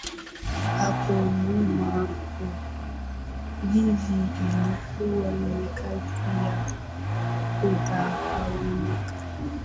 Hapo nyuma uvuvi ilikuwa ni kazi ya kudharaulika